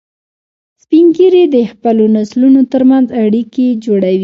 سپین ږیری د خپلو نسلونو تر منځ اړیکې جوړوي